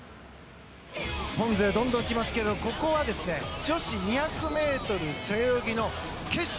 日本勢どんどん来ますけどここは女子２００ｍ背泳ぎの決勝！